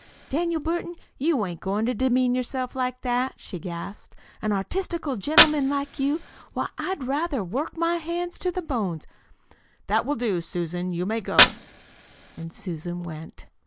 "Daniel Burton, you ain't goin' to demean yourself like that!" she gasped; "an artistical gentleman like you! Why, I'd rather work my hands to the bones " "That will do, Susan. You may go." And Susan went.